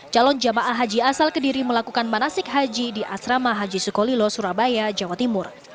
calon jemaah haji asal kediri melakukan manasik haji di asrama haji sukolilo surabaya jawa timur